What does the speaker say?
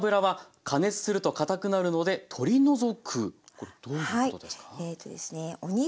これどういうことですか？